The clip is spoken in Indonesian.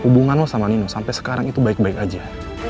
hubunganmu sama nino sampai sekarang itu baik baik aja